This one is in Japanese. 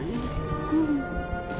うん。